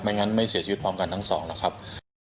งั้นไม่เสียชีวิตพร้อมกันทั้งสองหรอกครับ